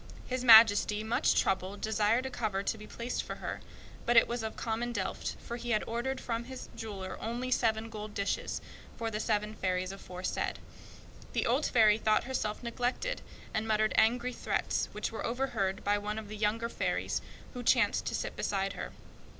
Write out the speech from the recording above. The King ordered a cover to be placed for her, but it was of common earthenware, for he had ordered from his jeweler only seven gold dishes, for the seven fairies aforesaid. The old fairy thought herself neglected, and muttered angry threats, which were overheard by one of the younger fairies, who chanced to sit beside her.